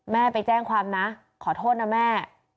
แม่ไปแจ้งความนะขอโทษนะแม่